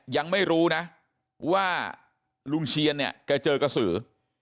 ยังไม่รู้นะว่าลุงเชียนเนี่ยแกเจอกระสือ